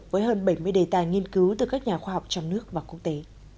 với hơn bảy mươi đề tài nghiên cứu từ các nhà khoa học trong nước và quốc tế